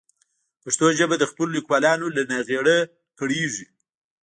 پښتو ژبه د خپلو لیکوالانو له ناغېړۍ کړېږي.